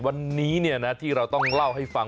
วันนี้ที่เราต้องเล่าให้ฟัง